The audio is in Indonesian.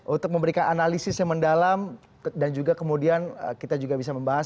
untuk memberikan analisis yang mendalam dan juga kemudian kita juga bisa membahas